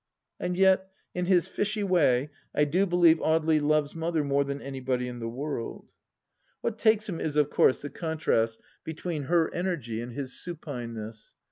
And yet, in his fishy way I do believe Audely loves Mother more than anybody in the world. What takes him is of course the contrast between her 4> 60 THE LAST DITCH energy and his supineness.